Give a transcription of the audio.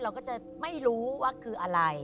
เราก็จะไม่รู้ว่าคืออะไร